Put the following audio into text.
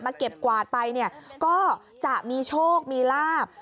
เก็บกวาดไปเนี่ยก็จะมีโชคมีลาบ